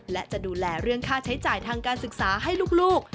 และจะดูแลเรื่องค่าใช้จ่ายทางการศึกษาให้ลูก